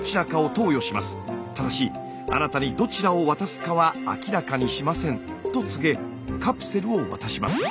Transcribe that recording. ただしあなたにどちらを渡すかは明らかにしませんと告げカプセルを渡します。